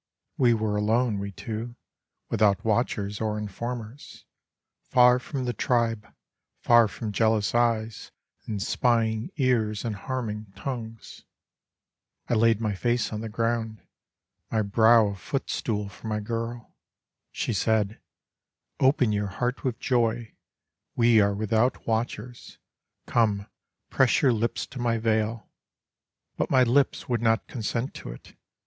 We were alone, we two, without watchers or informers, Far from the tribe, far from jealous eyes and spying ears and harming tongues. I laid my face on the ground, my brow a footstool for my girl. She said :" Open your heart with joy, we are without watchers ; Come press your lips to my veil.*' But my lips would not consent to it.